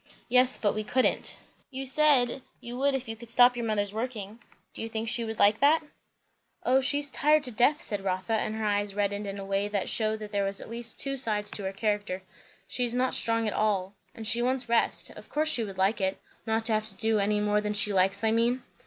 "Yes, but we couldn't." "You said, you would if you could stop your mother's working. Do you think she would like that?" "O she's tired to death!" said Rotha; and her eyes reddened in a way that shewed there were at least two sides to her character. "She is not strong at all, and she wants rest. Of course she would like it. Not to have to do any more than she likes, I mean."